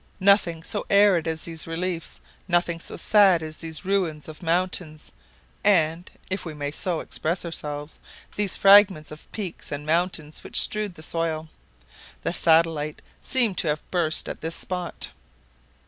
Nothing so arid as these reliefs, nothing so sad as these ruins of mountains, and (if we may so express ourselves) these fragments of peaks and mountains which strewed the soil. The satellite seemed to have burst at this spot.